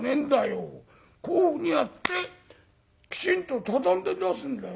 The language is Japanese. こういうふうにやってきちんと畳んで出すんだよ。